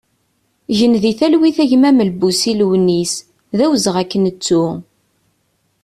Gen di talwit a gma Melbusi Lewnis, d awezɣi ad k-nettu!